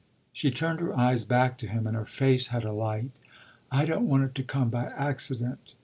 She turned her eyes back to him and her face had a light. "I don't want it to come by accident."